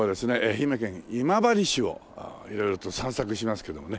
愛媛県今治市を色々と散策しますけどもね。